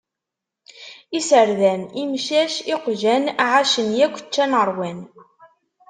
Iserdan, imcac, iqjan ; ɛacen yakk ččan ṛwan.